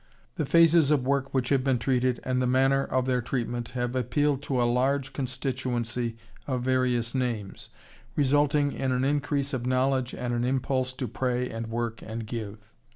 The phases of work which have been treated and the manner of their treatment have appealed to a large constituency of various names, resulting in an increase of knowledge and an impulse to pray and work and give.